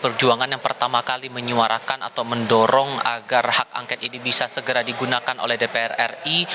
perjuangan yang pertama kali menyuarakan atau mendorong agar hak angket ini bisa segera digunakan oleh dpr ri